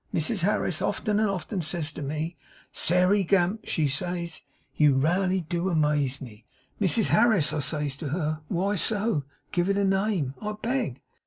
Mrs Harris often and often says to me, "Sairey Gamp," she says, "you raly do amaze me!" "Mrs Harris," I says to her, "why so? Give it a name, I beg."